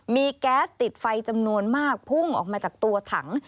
มีแก๊สติดไฟจำนวนมากพุ่งออกมาจากตัวถัง